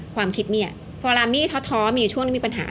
ความคิดมี่อ่ะเพราะว่ามี่ท้อมีช่วงนี้มีปัญหา